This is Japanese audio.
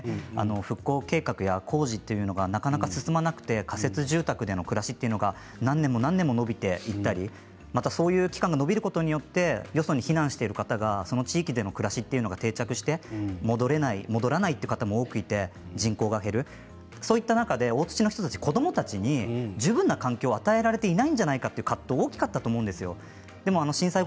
復興計画や工事というのがなかなか進まなくて仮設住宅での暮らしというのが何年も何年も延びていったりそういう期間が延びることによってよそに避難している方がその地域での暮らしが定着して戻れない、戻らないという方も多くいて、人口は減るそういった中で大槌町の人たちの子どもたちに十分な環境を与えられていなかったんじゃないかという葛藤とか大きかったと思うんですよ。